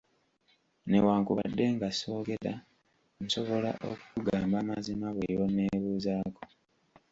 Newankubadde nga ssoogera, nsobola okukugamba amazima buli lw’onneebuuzaako.